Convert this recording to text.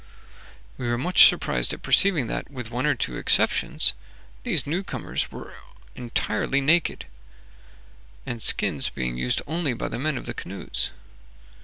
We were much surprised at perceiving that, with one or two exceptions, these new comers were entirely naked, and skins being used only by the men of the canoes.